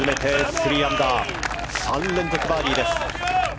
３連続バーディーです。